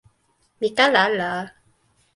mi kala ala.